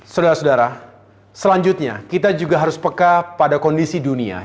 saudara saudara selanjutnya kita juga harus peka pada kondisi dunia